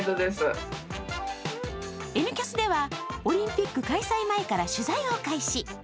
「Ｎキャス」ではオリンピック開催前から取材を開始。